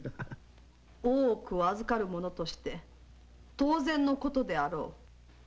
大奥を預かる身として当然のことであろう。